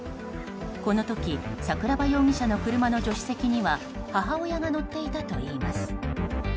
この時、桜庭容疑者の車の助手席には母親が乗っていたといいます。